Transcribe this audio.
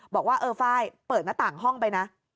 บอกว่าเออไฟล์เปิดหน้าต่างห้องไปนะ